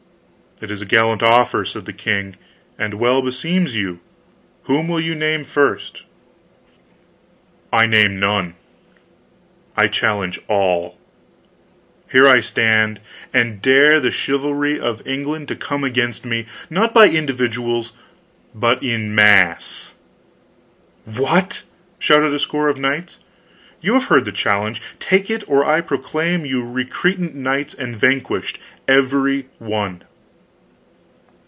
"It is a gallant offer," said the king, "and well beseems you. Whom will you name first?" "I name none, I challenge all! Here I stand, and dare the chivalry of England to come against me not by individuals, but in mass!" "What!" shouted a score of knights. "You have heard the challenge. Take it, or I proclaim you recreant knights and vanquished, every one!"